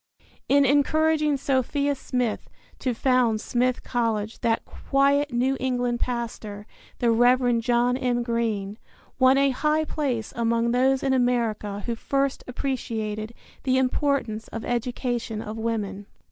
In encouraging Sophia Smith to found Smith College that quiet New England pastor, the Reverend John M. Greene, won a high place among those in America who first appreciated the importance of education of woman.